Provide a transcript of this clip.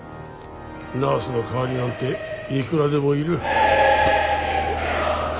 ナースの代わりなんていくらでもいる。